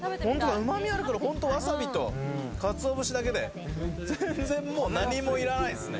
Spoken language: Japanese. うまみがあるから、本当にわさびと鰹節だけで、もう何もいらないですね。